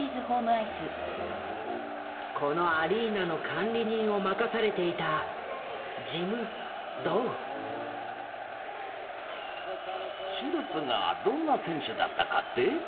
このアリーナの管理人を任されていたシュルツがどんな選手だったかって？